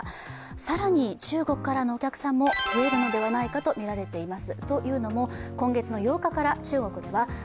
更に中国からのお客さんも増えるのではないかとみられています。